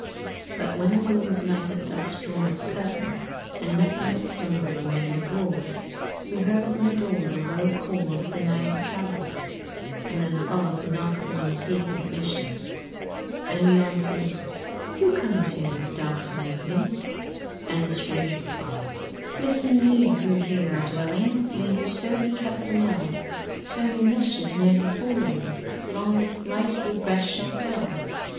But when the gloom of night had thus drawn its curtain, And nothing but slumber remained abroad, We heard from the door the low call of a benighted traveler, And then followed the knock of one seeking admission; And we answered, "Who comes here this darksome night?" And the stranger replied: "Listen ye who here are dwelling! May you so be kept from ill! So may mischief ne'er befall you, Long as life your breast shall fill!